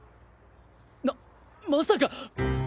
なまさか！！